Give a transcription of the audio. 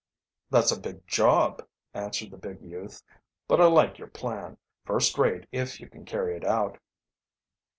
"That's a big job," answered the big youth. "But I like your plan, first rate if you can carry it out."